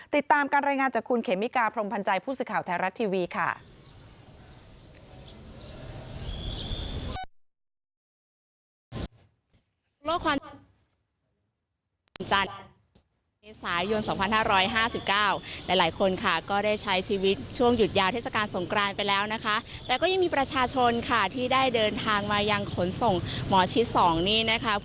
ติดตามการรายงานจากคุณเขมิกาพรมพันธ์ใจผู้สื่อข่าวไทยรัฐทีวีค่ะ